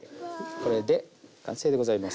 これで完成でございます。